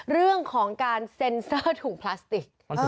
เรื่องของการเซ็นเซอร์ถุงพลาสติก